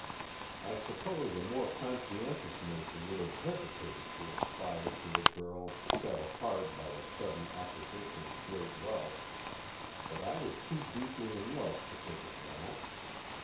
I suppose a more conscientious nature would have hesitated to aspire to a girl set apart by a sudden acquisition of great wealth, but I was too deeply in love to think of that.